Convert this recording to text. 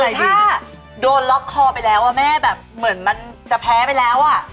แต่ถ้าโดนล็อกคอไปแล้วแม่แบบเหมือนมันจะแพ้ไปแล้วอ่ะ